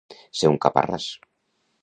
Ser un caparràs.